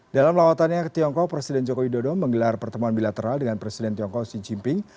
dalam lawatannya ke tiongkok presiden jokowi dodo menggelar pertemuan bilateral dengan presiden tiongkok xi jinping